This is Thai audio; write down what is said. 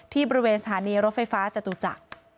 บริเวณสถานีรถไฟฟ้าจตุจักร